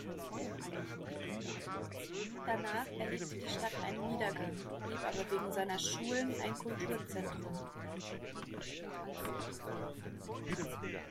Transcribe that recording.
Danach erlebte die Stadt einen Niedergang, blieb aber wegen seiner Schulen ein Kulturzentrum.